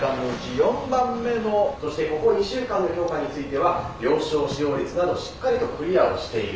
そしてここ２週間の評価については病床使用率などしっかりとクリアをしている。